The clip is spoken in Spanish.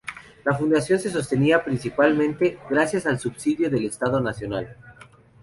La Fundación se sostenía, principalmente, gracias al subsidio del Estado Nacional.